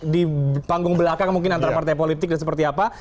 di panggung belakang mungkin antara partai politik dan seperti apa